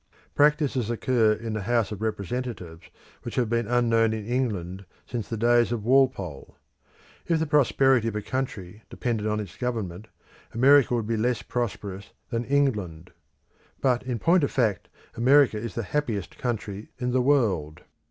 Practices occur in the House of Representatives which have been unknown in England since the days of Walpole. If the prosperity of a country depended on its government, America would be less prosperous than England. But in point of fact America is the happiest country in the world.